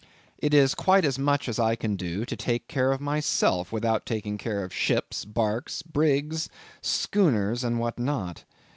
It is quite as much as I can do to take care of myself, without taking care of ships, barques, brigs, schooners, and what not.